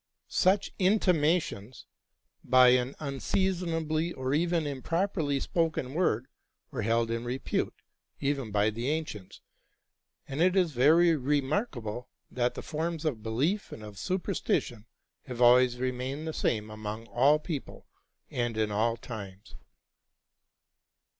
Such intimations, by an unseasonably or even improperly spoken word, were held in repute, even by the ancients ; and it is very remarkable that the forms of belief and of super stition have always remained the same among all people and in all times.